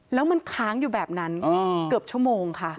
แล้วมันค้างอยู่แบบนั้นเกือบชั่วโมงค่ะ